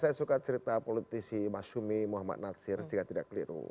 saya suka cerita politisi mas syumi muhammad nasir jika tidak keliru